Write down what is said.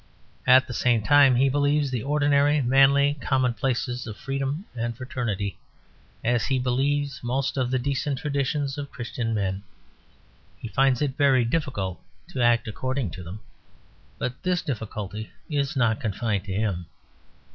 At the same time, he believes the ordinary manly commonplaces of freedom and fraternity as he believes most of the decent traditions of Christian men: he finds it very difficult to act according to them, but this difficulty is not confined to him.